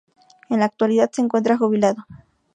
En la actualidad se encuentra jubilado.